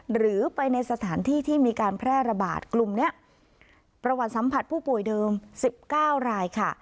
หรือไปในสถานที่ที่มีการแพร่ระบาดกลุ่มนี้ประวัติสัมผัสผู้ป่วยเดิม๑๙รายค่ะ